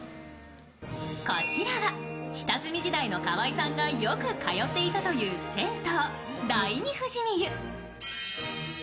こちらが下積み時代の河合さんがよく通っていたという銭湯。